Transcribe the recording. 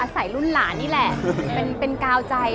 ใส่รุ่นหลานนี่แหละเป็นกาวใจ